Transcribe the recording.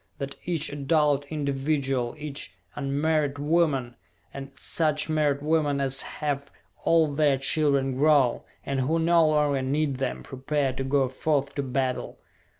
That each adult individual, each unmarried woman, and such married woman as have all their children grown, and who no longer need them, prepare to go forth to battle!